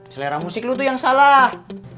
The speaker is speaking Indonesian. selera musik lu tuh yang salah